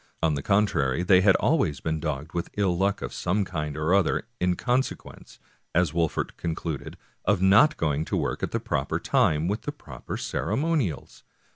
On the contrary, they had always been dogged with ill luck of some kind or other, in consequence, as Wolfert concluded, of not going to work at the proper time and with the proper ceremonials.